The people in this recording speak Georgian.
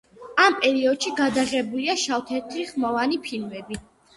ამ პერიოდში გადაღებულია შავ-თეთრი, ხმოვანი ფილმები.